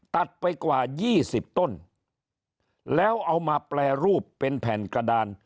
ไปกว่า๒๐ต้นแล้วเอามาแปรรูปเป็นแผ่นกระดาน